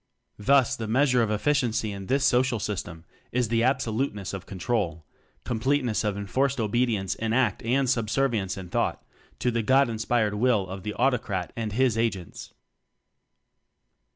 Thus ^the measure of efficiency in this social system is the absoluteness of control completeness of en forced obedience in act and subservi ence in thought to the "God inspired will" of the Autocrat and his Agents.